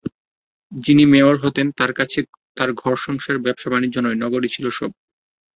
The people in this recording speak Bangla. যিনি মেয়র হতেন তাঁর কাছে তাঁর ঘর-সংসার, ব্যবসা-বাণিজ্য নয়, নগরই ছিল সব।